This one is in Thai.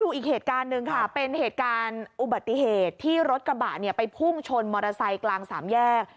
อีกเหตุการณ์หนึ่งค่ะเป็นเหตุการณ์อุบัติเหตุที่รถกระบะเนี่ยไปพุ่งชนมอเตอร์ไซค์กลางสามแยก